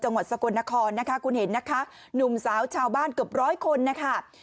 จังหวัดสกลนครนะคะคุณเห็นนะคะหนุ่มสาวชาวบ้านเกือบร้อยคนนะคะ